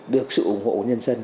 được sự ủng hộ của nhân dân